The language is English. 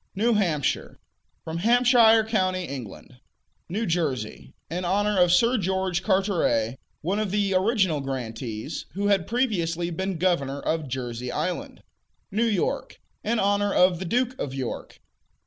New Hampshire From Hampshire county, England. New Jersey In honor of Sir George Carteret, one of the original grantees, who had previously been governor of Jersey Island. New York In honor of the Duke of York.